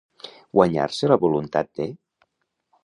Guanyar-se la voluntat de.